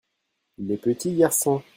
les petits garçons.